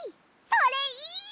それいい！